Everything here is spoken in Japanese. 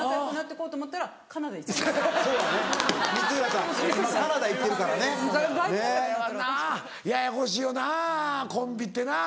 これはなややこしいよなコンビってな。